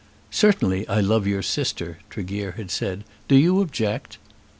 "Certainly I love your sister," Tregear had said; "do you object?"